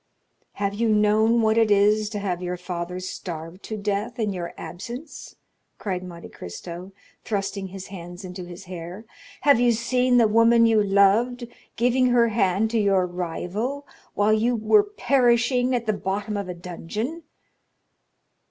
"Have you known what it is to have your father starve to death in your absence?" cried Monte Cristo, thrusting his hands into his hair; "have you seen the woman you loved giving her hand to your rival, while you were perishing at the bottom of a dungeon?"